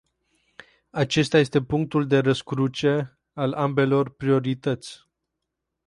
Acesta este punctul de răscruce al ambelor priorități.